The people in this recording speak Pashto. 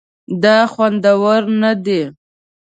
دا خوندور نه دي